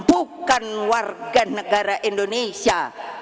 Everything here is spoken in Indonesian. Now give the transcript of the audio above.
bukan warga negara indonesia